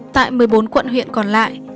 tại một mươi bốn quận huyện còn lại